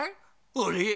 あれ？